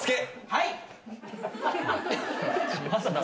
はい！